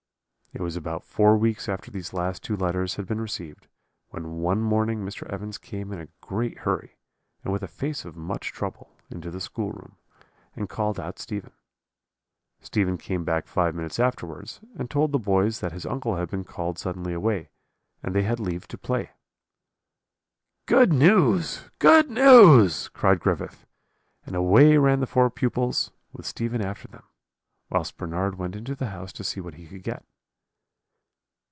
"It was about four weeks after these two last letters had been received, when one morning Mr. Evans came in a great hurry, and with a face of much trouble, into the school room, and called out Stephen. Stephen came back five minutes afterwards, and told the boys that his uncle had been called suddenly away, and they had leave to play. "'Good news good news!' cried Griffith, and away ran the four pupils, with Stephen after them; whilst Bernard went into the house to see what he could get.